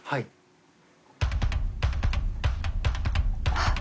あっ。